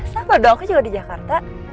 sabar dong aku juga di jakarta